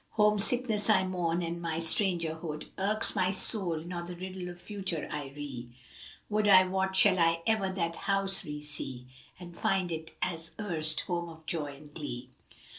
Home sickness I mourn, and my strangerhood * Irks my soul, nor the riddle of future I ree. Would I wot shall I ever that house resee * And find it, as erst, home of joy and glee!"